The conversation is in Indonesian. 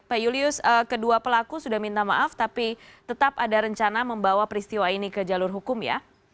pak julius kedua pelaku sudah minta maaf tapi tetap ada rencana membawa peristiwa ini ke jalur hukum ya